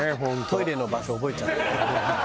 トイレの場所覚えちゃった。